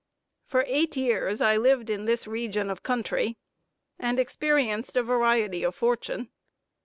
For eight years, I lived in this region of country and experienced a variety of fortune.